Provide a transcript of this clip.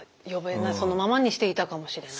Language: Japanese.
そのままにしていたかもしれない。